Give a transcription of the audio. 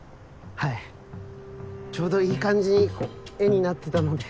はいちょうどいい感じに絵になってたので。